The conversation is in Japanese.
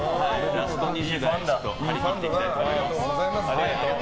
ラスト２０代頑張っていきたいと思います。